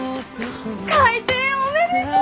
開店おめでとう！